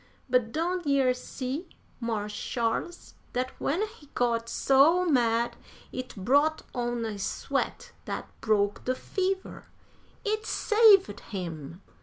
But don' yer see, Marsh Sharles, dat when he got so mad it brought on a sweat dat broke de fever! It saved him!